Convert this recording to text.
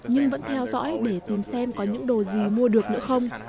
nhưng vẫn theo dõi để tìm xem có những đồ gì mua được nữa không